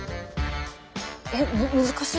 えっ難しい。